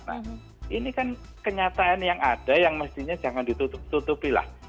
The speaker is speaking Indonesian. nah ini kan kenyataan yang ada yang mestinya jangan ditutup tutupi lah